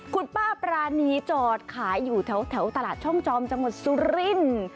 คุณป้าปรานีจอดขายอยู่แถวตลาดช่องจอมจังหวัดสุรินทร์